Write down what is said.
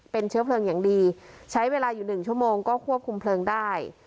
เป็นเชื้อเพลิงอย่างดีใช้เวลาอยู่หนึ่งชั่วโมงก็ควบคุมเพลิงได้